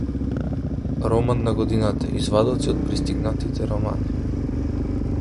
Роман на годината - извадоци од пристигнатите романи